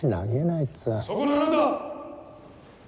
そこのあなた！